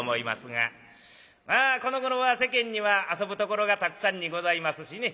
まあこのごろは世間には遊ぶところがたくさんにございますしね。